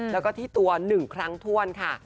แล้วก็ที่ตัว๑ครั้งถ้วนค่ะ